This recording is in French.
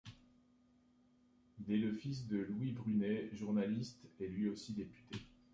Il est le fils de Louis Brunet, journaliste et lui aussi député.